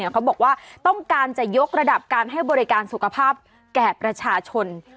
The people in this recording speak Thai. เขาบอกว่าต้องการจะยกระดับการให้บริการสุขภาพแก่ประชาชน